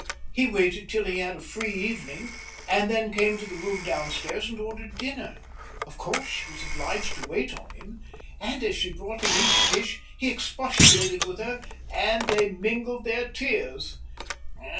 He waited till he had a free evening, and then came to the room downstairs and ordered dinner. Of course, she was obliged to wait on him, and as she brought him each dish he expostulated with her, and they mingled their tears."